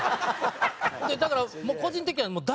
だから個人的にはもう。